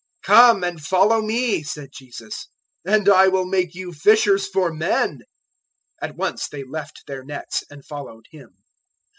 001:017 "Come and follow me," said Jesus, "and I will make you fishers for men." 001:018 At once they left their nets and followed Him.